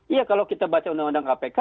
iya kalau kita baca undang undang kpk